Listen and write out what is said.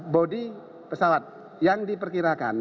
bodi pesawat yang diperkirakan